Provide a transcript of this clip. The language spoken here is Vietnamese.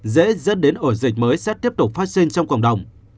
dễ dẫn đến ổ dịch mới sẽ tiếp tục phát sinh trong cộng đồng